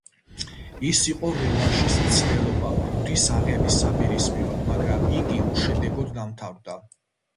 ეს იყო რევანშის მცდელობა ბუდის აღების საპირისპიროდ, მაგრამ იგი უშედეგოდ დამთავრდა.